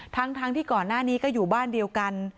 ทั้งที่ก่อนหน้านี้ก็อยู่บ้านเดียวกัน